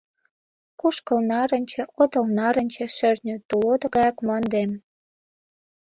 Кушкыл нарынче, отыл нарынче, шӧртньӧ тулото гаяк мландем.